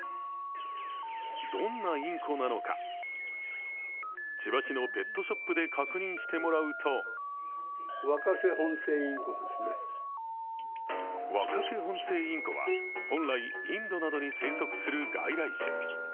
どんなインコなのか、千葉市のペットショップで確認してもらうとワカケホンセイインコは、本来インドなどに生息する外来種。